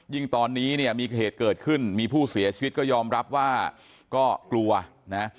ตอนนี้เนี่ยมีเหตุเกิดขึ้นมีผู้เสียชีวิตก็ยอมรับว่าก็กลัวนะ